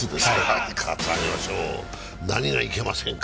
何がいけませんか？